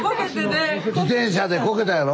自転車でこけたんやろ？